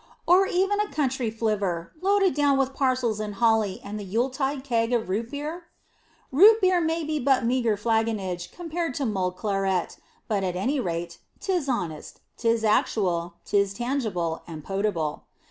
Or even a country flivver, loaded down with parcels and holly and the Yuletide keg of root beer? Root beer may be but meager flaggonage compared to mulled claret, but at any rate 'tis honest, 'tis actual, 'tis tangible and potable.